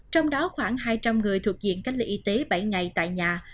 trong đó khoảng hai trăm linh người thuộc diện cách ly y tế bảy ngày tại nhà